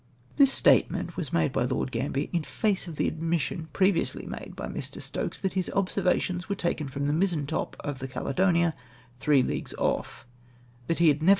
This statement was made by Lord Gambler in face of the admission previously made by Mr. Stokes, that liis observations were taken from the mizentop of the Caledonia, three leagues off — that he had never * See note, p.